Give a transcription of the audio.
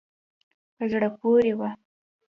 په زړه پورې وه.